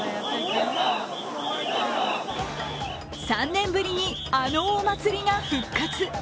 ３年ぶりに、あのお祭りが復活。